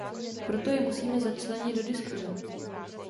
Proto je musíme začlenit do diskuse.